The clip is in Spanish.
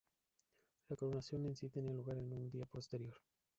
La coronación en sí tenía lugar en un día posterior.